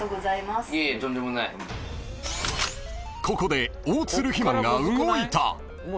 ［ここで］